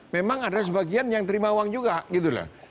memang ada sebagian yang terima uang juga gitu loh